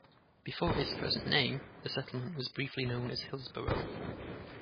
Before its present name, the settlement was briefly known as Hillsboro.